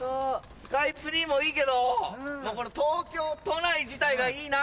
スカイツリーもいいけどこの東京都内自体がいいな。